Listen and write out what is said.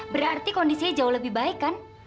berarti kondisinya jauh lebih baik kan